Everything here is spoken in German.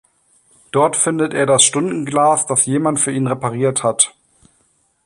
Dort findet er das Stundenglas, das jemand für ihn repariert hat.